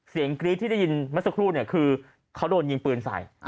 กรี๊ดที่ได้ยินเมื่อสักครู่เนี่ยคือเขาโดนยิงปืนใส่